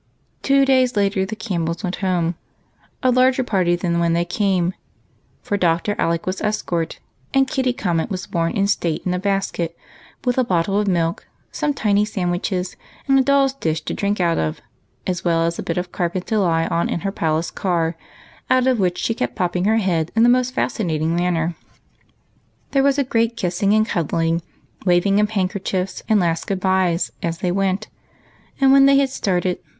Two days later, the Campbells went home, a larger party than when they came ; for Dr. Alec was escort, and Kitty Comet was borne in state in a basket, with a bottle of milk, some tiny sandwiches, and a doll's dish to drink out of, as well as a bit of carpet to lie on in her palace car, out of wiiich she kept popping her head in the most fascinating manner. There was a great kissing and cuddling, waving of handkerchiefs, and last good bys, as they went; and when they had started.